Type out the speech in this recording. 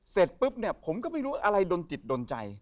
เสร็จปุ๊บเนี่ยผมก็ไม่รู้อะไรโดนจิตโดนใจ